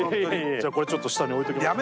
じゃあちょっとこれ下に置いときます。